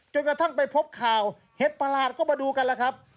กระทั่งไปพบข่าวเห็ดประหลาดก็มาดูกันแล้วครับ